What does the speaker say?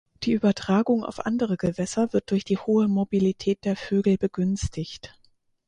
Die Übertragung auf andere Gewässer wird durch die hohe Mobilität der Vögel begünstigt.